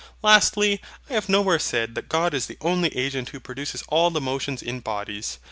Lastly, I have nowhere said that God is the only agent who produces all the motions in bodies.